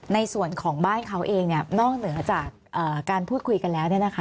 ในส่วนของบ้านเขาเองนอกเหนือจากการพูดคุยกันแล้ว